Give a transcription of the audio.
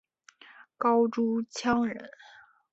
高阇羌人。